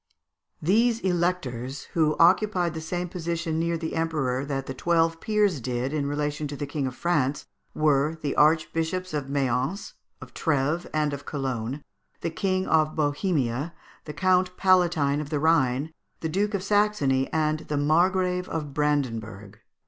These Electors who occupied the same position near the Emperor that the twelve peers did in relation to the King of France were the Archbishops of Mayence, of Trèves, and of Cologne, the King of Bohemia, the Count Palatine of the Rhine, the Duke of Saxony, and the Margrave of Brandenburg.